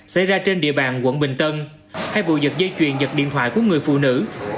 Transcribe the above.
xảy ra trên địa bàn quận bình tân hai vụ giật dây chuyền giật điện thoại của người phụ nữ